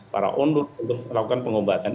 para undur untuk melakukan pengobatan